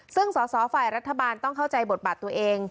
ซึ่งสอสอฝ่ายรัฐบาลต้องเข้าใจบทบาทตัวเอง